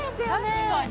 確かに。